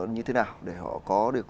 như thế nào để họ có được